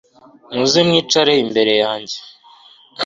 muze mwicare imbere yanjye